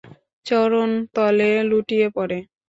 চরণ তলে লুটিয়ে পড়ে।